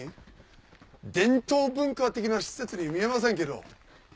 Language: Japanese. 伝統文化的な施設に見えませんけど。